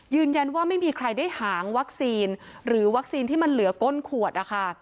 ยืนยันว่าไม่มีใครได้หางวัคซีนหรือวัคซีนที่มันเหลือก้นขวดนะคะ